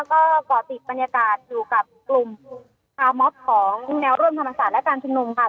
ก็ก่อติดบรรยากาศอยู่กับกลุ่มคาร์มอบของแนวร่วมธรรมศาสตร์และการชุมนุมค่ะ